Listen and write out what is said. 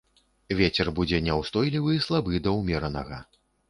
Вецер будзе няўстойлівы слабы да ўмеранага.